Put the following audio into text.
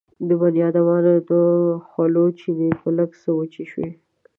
د بنيادمانو د خولو چينې به لږ څه وچې شوې.